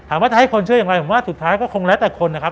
ว่าจะให้คนเชื่ออย่างไรผมว่าสุดท้ายก็คงแล้วแต่คนนะครับ